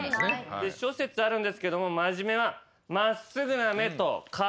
諸説あるんですけど「真面目」は真っすぐな目と顔。